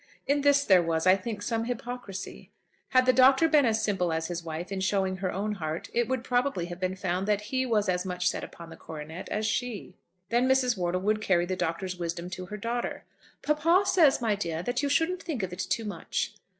In this there was, I think, some hypocrisy. Had the Doctor been as simple as his wife in showing her own heart, it would probably have been found that he was as much set upon the coronet as she. Then Mrs. Wortle would carry the Doctor's wisdom to her daughter. "Papa says, my dear, that you shouldn't think of it too much."